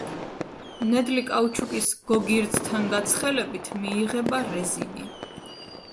ნედლი კაუჩუკის გოგირდთან გაცხელებით მიიღება რეზინი.